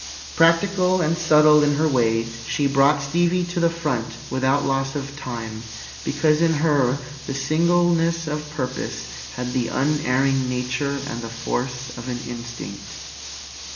Practical and subtle in her way, she brought Stevie to the front without loss of time, because in her the singleness of purpose had the unerring nature and the force of an instinct.